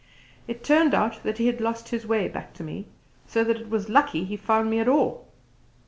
It turned out that he had lost his way back to me, so that it was lucky he found me at all.